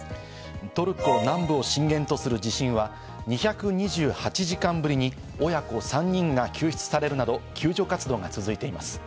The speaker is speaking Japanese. トルコ南部を震源とする地震は２２８時間ぶりに親子３人が救出されるなど救助活動が続いています。